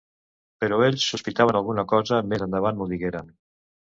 Però ells sospitaven alguna cosa, més endavant m'ho digueren.